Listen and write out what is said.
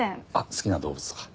好きな動物とか。